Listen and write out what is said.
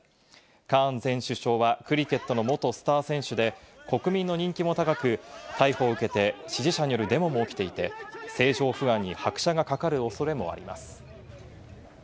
カーン前首相はクリケットの元スター選手で国民の人気も高く、逮捕を受けて支持者によるデモも起きていて、政情不安に拍車がかかる恐れもあります。